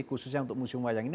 khususnya untuk museum wayang ini